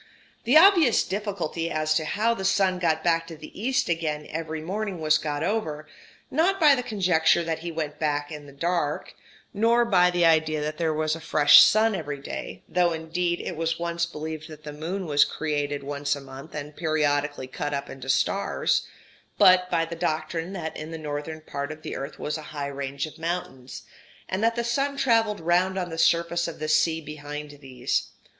The obvious difficulty as to how the sun got back to the east again every morning was got over not by the conjecture that he went back in the dark, nor by the idea that there was a fresh sun every day; though, indeed, it was once believed that the moon was created once a month, and periodically cut up into stars but by the doctrine that in the northern part of the earth was a high range of mountains, and that the sun travelled round on the surface of the sea behind these.